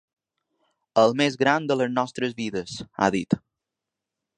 “El més gran de les nostres vides”, ha dit.